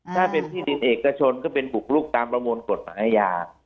ถ้าเป็นที่ดินเอกชนก็เป็นบุกลุกตามประมวลกฎหมายอาญา